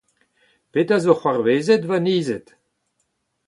Petra ’zo c’hoarvezet, va nized ?